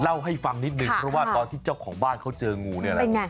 เล่าให้ฟังนิดนึงเพราะว่าตอนที่เจ้าของบ้านเขาเจองูเนี่ยนะ